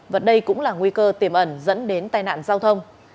và đây cũng là nguy cơ tiềm ẩn dẫn đến tai nạn giao thông